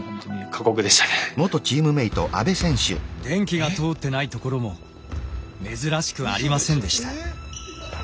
電気が通ってないところも珍しくありませんでした。